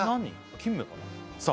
キンメかなさあ